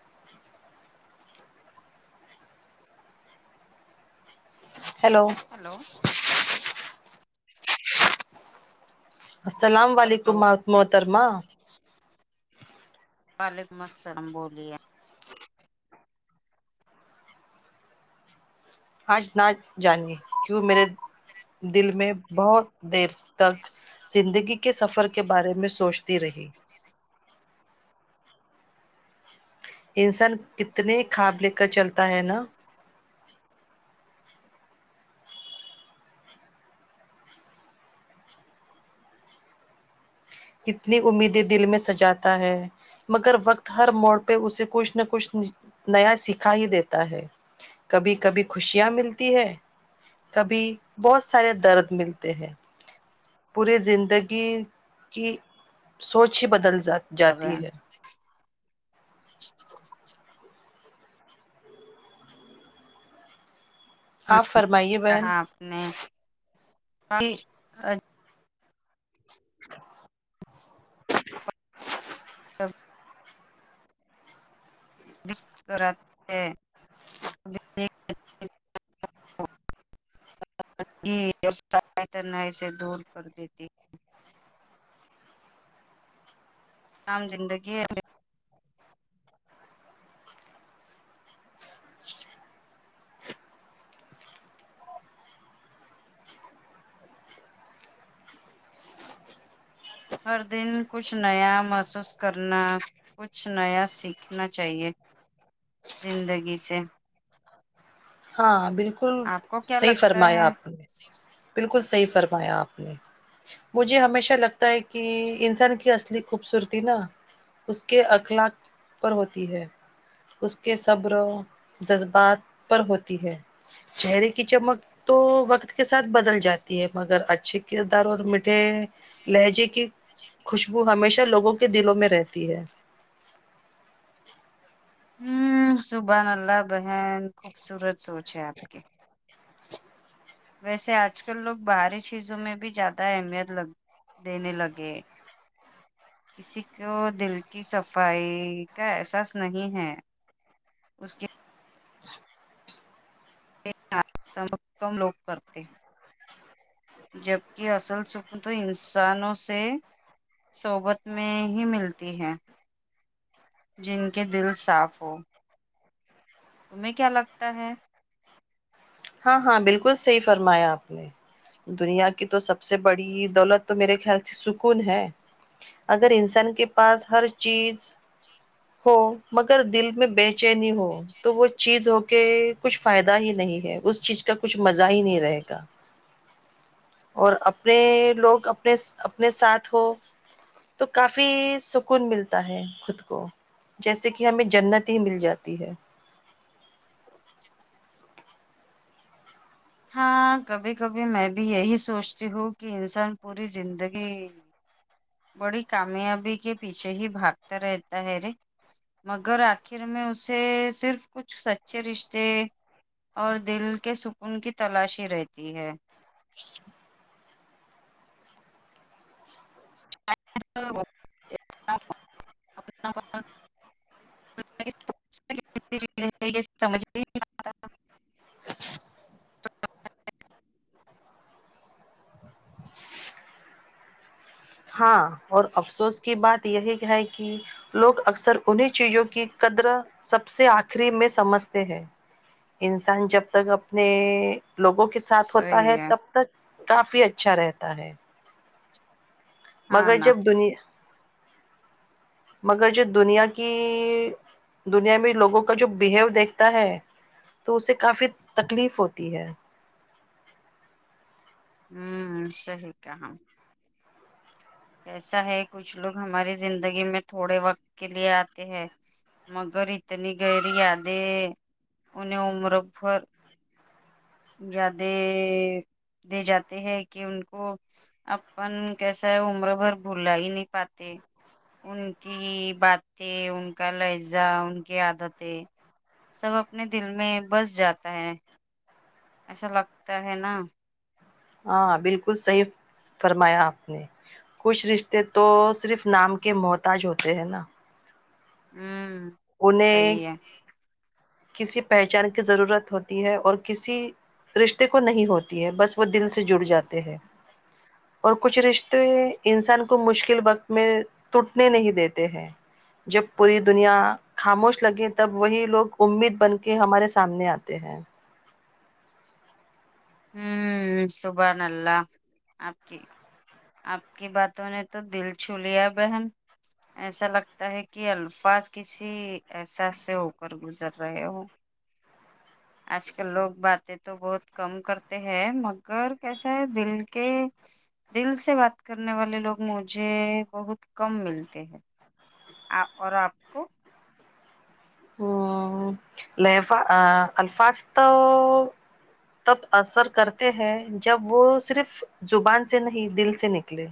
[unintelligible] hello hello السلام hello علیکم محت محترمہ وعلیکم السلام بولیے آج نہ جانیے کیوں میرے دل میں بہت دیر س تک زندگی کے سفر کے بارے میں سوچتی رہی انسان کتنے خواب لے کر چلتا ہے نا کتنی امیدیں دل میں سجاتا ہے مگر وقت ہر موڑ پہ اسے کچھ نہ کچھ نیا سکھا ہی دیتا ہے کبھی کبھی خوشیاں ملتی ہے کبھی بہت سارے درد ملتے ہیں پورے زندگی کی سوچ ہی بدل جا کریں آپ فرمائیے بہن نہیں [unintelligible] [unintelligible] تب [inaudible] یت نہ اسے دور کر دیتی [unintelligible] عام زندگی ہے پھر ہر دن کچھ نیا محسوس کرنا کچھ نیا سیکھنا چاہیے زندگی سے ہاں بالکل آپ کو کیا صحیح لگتا فرمایا ہے آپ نے بالکل صحیح فرمایا آپ نے مجھے ہمیشہ لگتا ہے کہ انسان کی اصلی خوبصورتی نا اس کے اخلاق پر ہوتی ہے اس کے صبر و جذبات پر ہوتی ہے چہرے کی چمک تو وقت کے ساتھ بدل جاتی ہے مگر اچھے کردار اور میٹھے لہجے کی خوشبو ہمیشہ لوگوں کے دلوں میں رہتی ہے ہوں سبحان اللہ بہن خوبصورت سوچ ہے آپ کی ویسے آج کل لوگ باہری چیزوں میں بھی زیادہ اہمیت لگ دینے لگے کسی کو دل کی صفائی کا احساس نہیں ہے اس کے یہ [unintelligible] کم لوگ کرتے ہے جبکہ اصل سکون تو انسانوں سے صحبت میں ہی ملتی ہے جن کے دل صاف ہو تمہیں کیا لگتا ہے ہاں ہاں بالکل صحیح فرمایا آپ نے دنیا کی تو سب سے بڑی دولت تو میرے خیال سے سکون ہے اگر انسان کے پاس ہر چیز ہو مگر دل میں بے چینی ہو تو وہ چیز ہو کے کچھ فائدہ ہی نہیں ہے اس چیز کا کچھ مزہ ہی نہیں رہے گا اور اپنے لوگ اپنے اپنے ساتھ ہو تو کافی سکون ملتا ہے خود کو جیسے کہ ہمیں جنت ہی مل جاتی ہے ہاں کبھی کبھی میں بھی یہی سوچتی ہوں کہ انسان پوری زندگی بڑی کامیابی کے پیچھے ہی بھاگتا رہتا ہے رے مگر آخر میں اسے صرف کچھ سچے رشتے اور دل کے سکون کی تلاشی ہی رہتی ہے اپنا [unintelligible] سمجھ [inaudible] ہاں اور افسوس کی بات یہی ہے کہ لوگ اکثر انہیں چیزوں کی قدر سب سے آخری میں سمجھتے ہیں انسان جب تک اپنے لوگوں کے ساتھ ہوتا ہے تب تک کافی اچھا رہتا ہے ہاں مگر نا جب دنیا مگر جو دنیا کی دنیا میں لوگوں کا جو بیہیو دیکھتا ہے تو اسے کافی تکلیف ہوتی ہے ہوں صحیح کہا کے ایسا ہے کچھ لوگ ہماری زندگی میں تھوڑے وقت کے لیے آتے ہیں مگر اتنی گہری یادیں انہیں عمر بھر یادیں دے جاتے ہیں کہ ان کو اپن کیسا ہے وہ عمر بھر بھلا ہی نہیں پاتے ان کی باتیں ان کا لہجہ ان کی عادتیں سب اپنے دل میں بس جاتا ہے ایسا لگتا ہے نا ہاں بالکل صحیح فرمایا آپ نے کچھ رشتے تو صرف نام کے محتاج ہوتے ہیں نا وں انہیں کسی پہچان کی ضرورت ہوتی ہے اور کسی رشتے کو نہیں ہوتی ہے بس وہ دل سے جڑ جاتے ہیں اور کچھ رشتے انسان کو مشکل وقت میں ٹوٹنے نہیں دیتے ہیں جب پوری دنیا خاموش لگے تب وہی لوگ امید بن کے ہمارے سامنے آتے ہیں ہوں سبحان اللہ آپ کی آپ کی باتوں نے تو دل چھو لیا بہن ایسا لگتا ہے کہ الفاظ کسی احساس سے اوپر گزر رہے ہوں آج کل لوگ باتیں تو بہت کم کرتے ہیں مگر کیسا ہے دل کے دل سے بات کرنے والے لوگ مجھے بہت کم ملتے ہیں آپ اور آپ کو ہو لیںفا آ الفاظ تو تب اثر کرتے ہیں جب وہ صرف زبان سے نہیں دل سے نکلے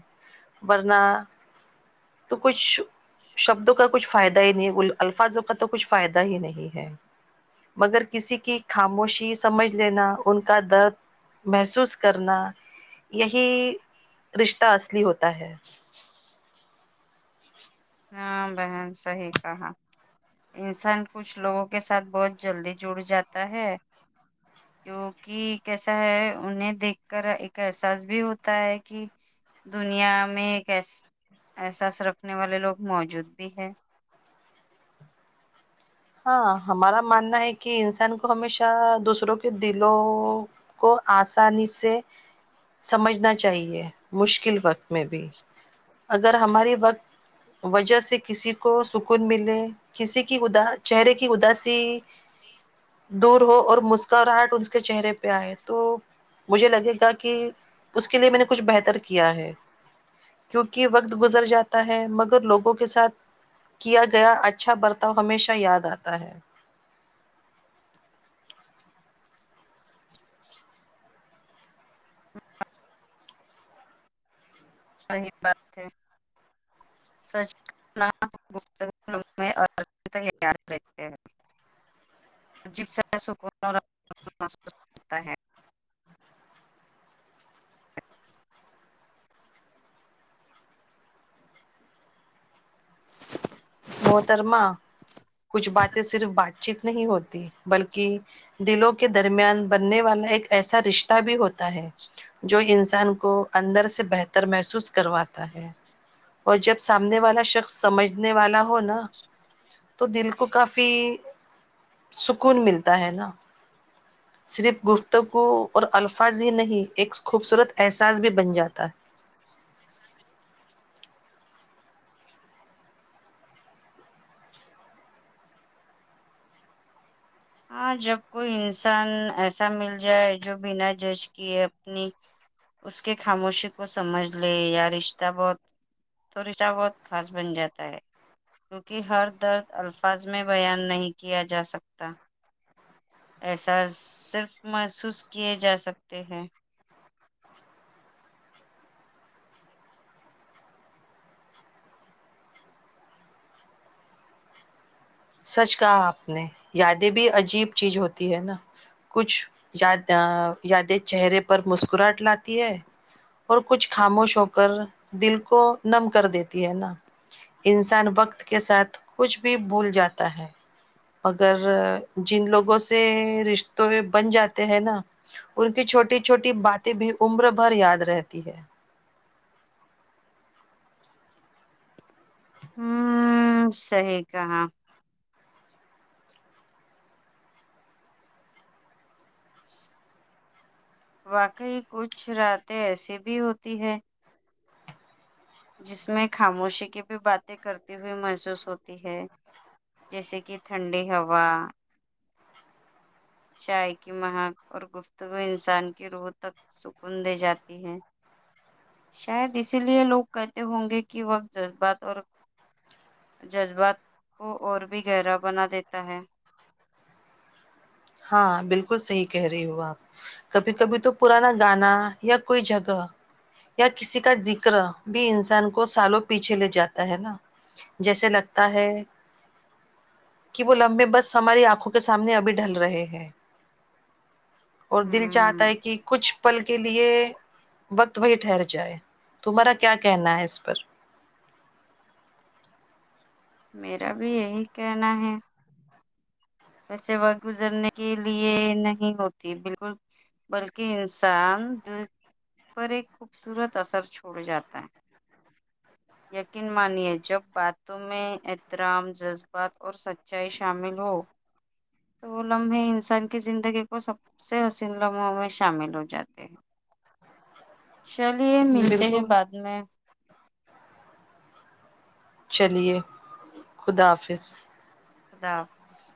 ورنہ تو کچھ شبدوں کا کچھ فائدہ ہی نہیں ان الفاظوں کا تو کچھ فائدہ ہی نہیں ہے مگر کسی کی خاموشی سمجھ لینا ان کا درد محسوس کرنا یہی رشتہ اصلی ہوتا ہے ہاں بہن صحیح کہا انسان کچھ لوگوں کے ساتھ بہت جلدی جڑ جاتا ہے [unintelligible] کیونکہ کیسا ہے انہیں دیکھ کر ایک احساس بھی ہوتا ہے کہ دنیا میں ایک یس احساس رکھنے والے لوگ موجود بھی ہے ہاں ہمارا ماننا ہے کہ انسان کو ہمیشہ دوسروں کے دلوں کو آسانی سے سمجھنا چاہیے مشکل وقت میں بھی اگر ہماری و جہ سے کسی کو سکون ملے کسی کی ادا چہرے کی اداسی دور ہو اور مسکراہٹ اس کے چہرے پہ آئے تو مجھے لگے گا کہ اس کے لیے میں نے کچھ بہتر کیا ہے کیونکہ وقت گزر جاتا ہے مگر لوگوں کے ساتھ کیا گیا اچھا برتاؤ ہمیشہ یاد آتا ہے صحیح بات ہے [unintelligible] سچ یاد رہتے ہیں جیب سا [unintelligible] سک محترمہ کچھ باتیں صرف بات چیت نہیں ہوتی بلکہ دلوں کے درمیان بننے والا ایک ایسا رشتہ بھی ہوتا ہے جو انسان کو اندر سے بہتر محسوس کرواتا ہے اور جب سامنے والا شخص سمجھنے والا ہو ہو نا تو دل کو کافی سکون ملتا ہے نا صرف گفتگو اور الفاظ ہی نہیں ایک خوبصورت احساس بھی بن جاتا ہے ہاں جب کوئی انسان ایسا مل جائے جو بنا جج کیے اپنی اس کے خاموشی کو سمجھ لے یا رشتہ بہت تو رشتہ بہت خاص بن جاتا ہے کیونکہ ہر درد الفاظ میں بیان نہیں کیا جا سکتا احساس صرف محسوس کیے جا سکتے ہیں سچ کہا آپ نے یادیں بھی عجیب چیز ہوتی ہے نا کچھ یاد ا یادیں چہرے پر مسکراہٹ لاتی ہے اور کچھ خاموش ہو کر دل کو نم کر دیتی ہے نا انسان وقت کے ساتھ کچھ بھی بھول جاتا ہے اگر جن لوگوں سے رشتوں میں بن جاتے ہیں نا ان کی چھوٹی چھوٹی باتیں بھی عمر بھر یاد رہتی ہے ہوں صحیح کہا واقع ہی کچھ راتیں ایسی بھی ہوتی ہے جس میں خاموشی کی بھی باتیں کرتے ہوئے محسوس ہوتی ہے جیسے کہ ٹھنڈی ہوا چائے کی مہک اور گفتگو انسان کی روح تک سکون دے جاتی ہے شاید اسی لیے لوگ کہتے ہوں گے کہ وقت جذبات اور جذبات کو اور بھی گہرا بنا دیتا ہے ہاں بالکل صحیح کہہ رہی ہو آپ کبھی کبھی تو پرانا گانا یا کوئی جگہ یا کسی کا ذکر بھی انسان کو سالوں پیچھے لے جاتا ہے نا جیسے لگتا ہے کہ وہ لمحے بس ہماری آنکھوں کے سامنے ابھی ڈھل رہے ہیں اور دل چاہتا ہ ہے کہ کچھ پل کے لیے وقت وہی ٹھہر جائے تمہارا کیا کہنا ہے اس پر میرا بھی یہی کہنا ہے ویسے وقت گزرنے کے لیے نہیں ہوتی بالکل بلکہ انسان دل پر ایک خوبصورت اثر چھوڑ جاتا ہے یقین مانیے جب باتوں میں احترام جذبات اور سچ چائی شامل ہو تو وہ لمحے انسان کی زندگی کو سب سے حسین لمحوں میں شامل ہو جاتے ہیں چلیے ملتے ہیں بالکل بعد میں چلیے خدا حافظ خدا حافظ